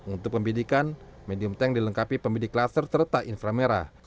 untuk pembedikan medium tank dilengkapi pembedik laser serta infra merah